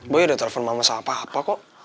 boy udah telepon mama sama papa kok